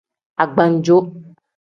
Agbannjo.